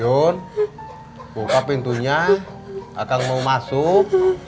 yun buka pintunya akan mau masuk